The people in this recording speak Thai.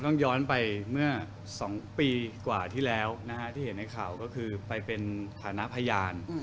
ต้องย้อนไปเมื่อ๒ปีกว่าที่แล้วที่เห็นในข่าวก็คือไปเป็นฐานะพยาน